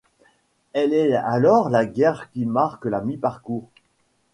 Elle est alors la gare qui marque la mi-parcours.